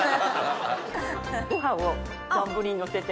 ご飯を丼にのせて。